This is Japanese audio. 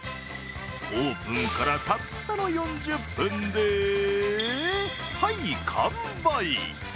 オープンからたったの４０分でハイ、完売！